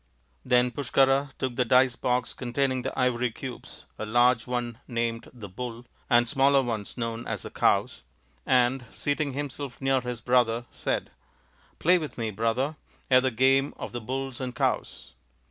Then Pushkara took the dice box con taining the ivory cubes, a large one named the "Bull" and smaller ones known as the "Cows," and, seating himself near his brother, said, " Play with me, brother, at the game of the 'Bull and Cows.